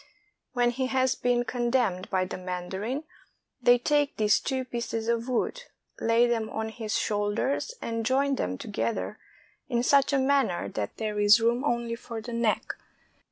When he has been condemned by the mandarin, they take these two pieces of wood, lay them on his shoulders, and join them together in such a man ner that there is room only for the neck.